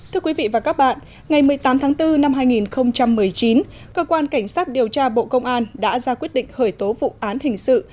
thưa quý vị và các bạn ngày một mươi tám tháng bốn năm hai nghìn một mươi chín cơ quan cảnh sát điều tra bộ công an đã ra quyết định khởi tố vụ án hình sự